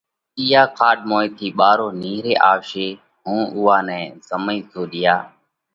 اِيئا کاڏ موئين ٿِي ٻارو نيهري آوشي هُون اُوئا نئہ زمي زوڏيا